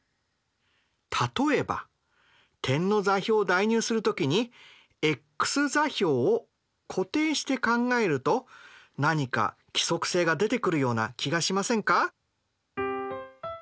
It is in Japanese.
例えば点の座標を代入する時にｘ座標を固定して考えると何か規則性が出てくるような気がしませんか？